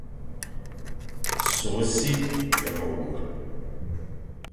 Sukh si ye mewur,